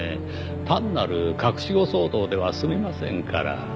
単なる隠し子騒動では済みませんから。